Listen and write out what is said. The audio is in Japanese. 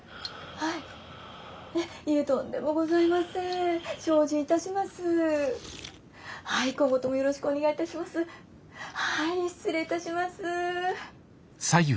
はい失礼いたします。